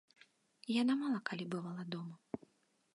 Яна мала калі бывала дома.